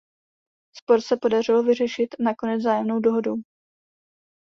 Spor se podařilo vyřešit nakonec vzájemnou dohodou.